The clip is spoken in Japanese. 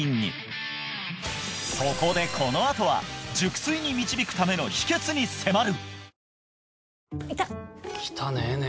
そこでこのあとは熟睡に導くための秘訣に迫る！